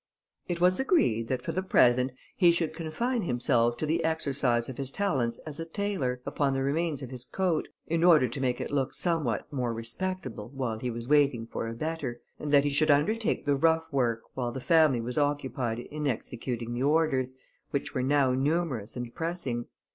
It was agreed that, for the present, he should confine himself to the exercise of his talents as a tailor, upon the remains of his coat, in order to make it look somewhat more respectable, while he was waiting for a better; and that he should undertake the rough work, while the family was occupied in executing the orders, which were now numerous and pressing.